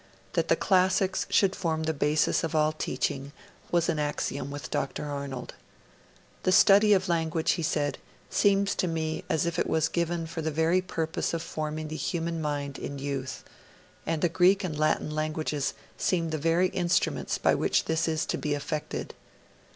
That the classics should form the basis of all teaching was an axiom with Dr. Arnold. 'The study of language,' he said, 'seems to me as if it was given for the very purpose of forming the human mind in youth; and the Greek and Latin languages seem the very instruments by which this is to be effected.'